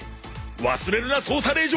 忘れるな捜査令状！